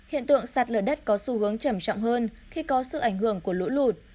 hiện tượng sạt lở đất có xu hướng trầm trọng hơn khi có sự ảnh hưởng của lũ lụt